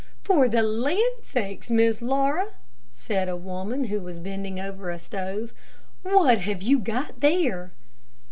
"For the land sakes, Miss Laura," said a woman who was bending over a stove, "what have you got there?"